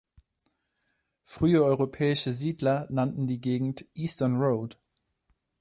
Frühe europäische Siedler nannten die Gegend Eastern Road.